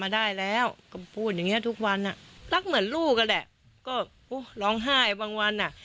ได้แล้วก็พูดอย่างเงี้ทุกวันอ่ะรักเหมือนลูกอ่ะแหละก็อุ้ยร้องไห้บางวันอ่ะ